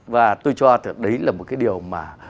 và tôi cho đấy là một cái điều mà